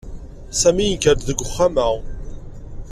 Sami yenker-d deg uxxam-a.